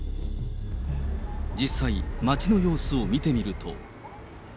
実際、街の様子を見てみると。